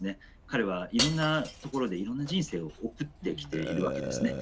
彼はいろんな所でいろんな人生を送ってきているわけですね。